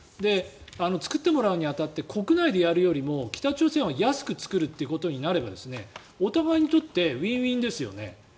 作ってもらうに当たって国内でやるよりも北朝鮮が安く作るということになればお互いにとってウィンウィンですよね。